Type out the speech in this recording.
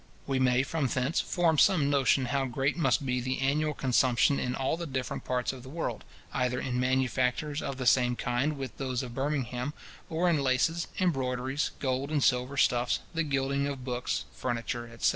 We may from thence form some notion how great must be the annual consumption in all the different parts of the world, either in manufactures of the same kind with those of Birmingham, or in laces, embroideries, gold and silver stuffs, the gilding of books, furniture, etc.